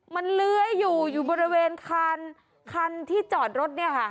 มันเลื้อยอยู่อยู่บริเวณคันที่จอดรถเนี่ยค่ะ